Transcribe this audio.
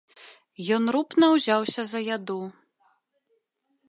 Ён рупна ўзяўся за яду.